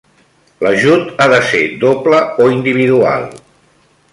L'ajut ha de ser doble o individual?